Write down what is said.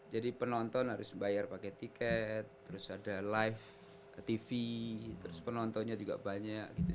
jadi penonton harus bayar pakai tiket terus ada live tv terus penontonnya juga banyak gitu